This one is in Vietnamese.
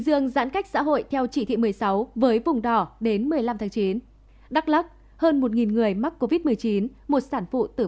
các bạn hãy đăng ký kênh để ủng hộ kênh của chúng mình nhé